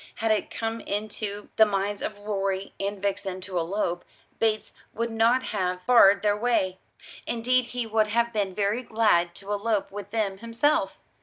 Had it come into the minds of Rorie and Vixen to elope, Bates would not have barred their way. Indeed he would have been very glad to elope with them himself.